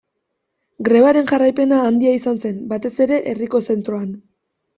Grebaren jarraipena handia izan zen, batez ere herriko zentroan.